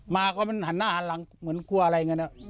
มาก็มันหันหน้าหันหลังเหมือนกลัวอะไรกัน